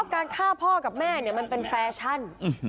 อ๋อการฆ่าพ่อกับแม่เนี่ยมันเป็นแฟชั่น